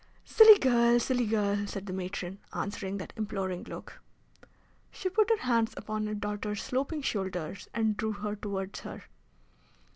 "Silly girl! Silly girl!" said the matron, answering that imploring look. She put her hands upon her daughter's sloping shoulders and drew her towards her.